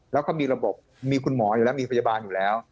แล้วก็มีระบบมีคุณหมออยู่แล้วมีพยาบาลอยู่แล้ว